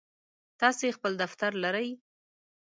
تاسی خپل دفتر لرئ؟